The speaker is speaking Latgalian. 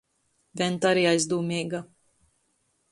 Venta ari aizdūmeiga.